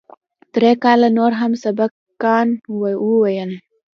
درې کاله نور مې هم سبقان وويل.